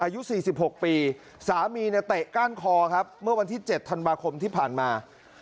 อายุ๔๖ปีสามีเนี่ยเตะก้านคอครับเมื่อวันที่๗ธันวาคมที่ผ่านมา